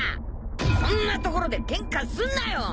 こんなところでケンカすんなよ。